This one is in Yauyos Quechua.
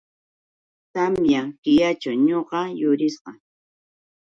Tamya killaćhu ñuqa yurisqa.